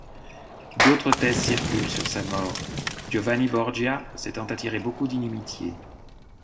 D'autres thèses circulent sur sa mort, Giovanni Borgia s'étant attiré beaucoup d'inimitiés.